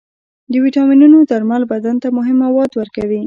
د ویټامینونو درمل بدن ته مهم مواد ورکوي.